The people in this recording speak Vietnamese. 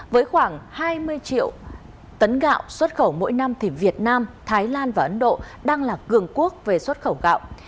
với khoảng hai mươi triệu tấn gạo xuất khẩu mỗi năm thì việt nam thái lan và ấn độ đang là cường quốc về xuất khẩu gạo